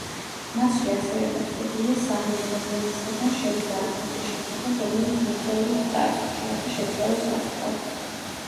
მასში ასევე მოთხრობილია სამი ადამიანისგან შემდგარი გუნდის შესახებ, რომელიც მოგზაურობს წარსულში, რათა შეცვალოს აწმყო.